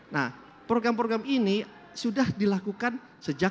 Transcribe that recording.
nah program program ini sudah dilakukan sejak